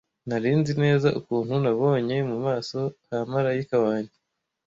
Nari nzi neza ukuntu nabonye mu maso ha marayika wanjye.